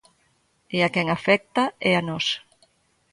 E a quen afecta é a nós.